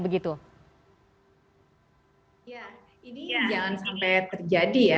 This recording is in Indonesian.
ini jangan sampai terjadi